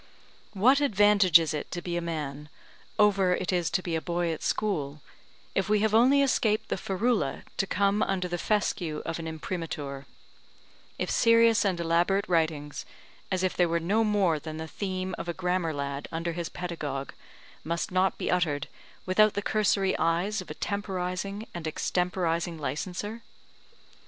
What advantage is it to be a man, over it is to be a boy at school, if we have only escaped the ferula to come under the fescue of an Imprimatur; if serious and elaborate writings, as if they were no more than the theme of a grammar lad under his pedagogue, must not be uttered without the cursory eyes of a temporizing and extemporizing licenser?